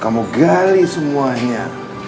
kamu ganti semuanya